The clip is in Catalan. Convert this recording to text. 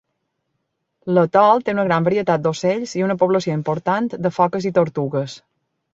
L'atol té una gran varietat d'ocells i una població important de foques i tortugues.